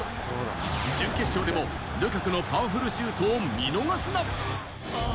準決勝でもルカクのパワフルシュートを見逃すな。